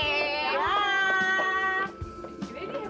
jadi hebat banget ya